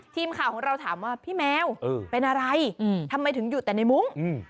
ทีมข่าวของเราถามว่าพี่แมวเป็นอะไรทำไมถึงหยุดแต่ในมุ้ง